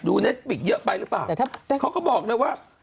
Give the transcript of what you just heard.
ดูเน็ตฟิกเยอะไปหรือเปล่าเขาก็บอกเลยว่า